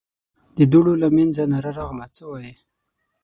د دوړو له مينځه ناره راغله: څه وايې؟